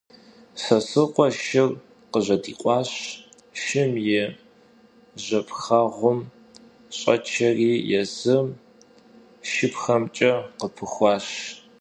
Sosrıkhue şşır khıjedikhuaş, şşım yi jepxhebğur ş'eçeri yêzır şşıpxemç'e khıpıxuaş.